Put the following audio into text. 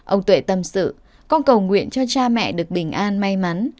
ông tuệ tâm sự con cầu nguyện cho cha mẹ được bình an may mắn